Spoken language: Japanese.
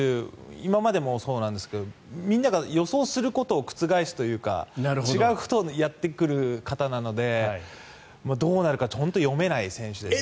今までもそうなんですがみんなが予想することを覆すというか違うことをやってくる方なのでどうなるか本当に読めない選手ですよね。